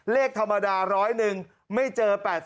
เลขธรรมดา๑๐๐นึงไม่เจอ๘๐